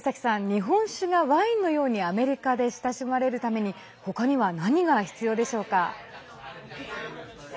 日本酒がワインのようにアメリカで親しまれるために他には何が必要でしょうか？